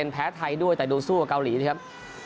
แต่ดูสู้กับเกาหลีละครับ